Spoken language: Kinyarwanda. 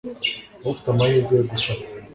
ufite amahirwe yo gufata